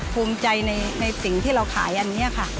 ภูมิใจในสิ่งที่เราขายอันนี้ค่ะ